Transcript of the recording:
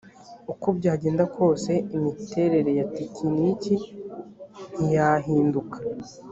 uko byagenda kose imiterere ya tekiniki ntiyahinduka